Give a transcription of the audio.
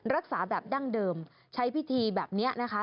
รักษาแบบดั้งเดิมใช้พิธีแบบนี้นะคะ